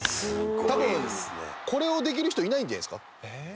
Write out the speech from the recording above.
多分これをできる人いないんじゃないですか。